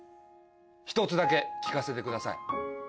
１つだけ聞かせてください。